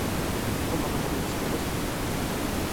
Tom akan pergi ke sana besok.